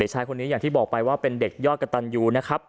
ชายคนนี้อย่างที่บอกไปว่าเป็นเด็กยอดกระตันยูนะครับ